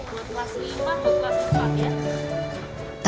buat kelas lima mau kelas empat ya